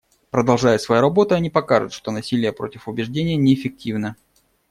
Продолжая свою работу, они покажут, что насилие против убеждений неэффективно.